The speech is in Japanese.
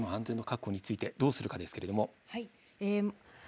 その安全の確保についてどうするかですけれども。